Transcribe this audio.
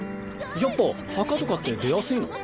やっぱ墓とかって出やすいの？